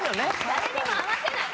誰にも合わせない。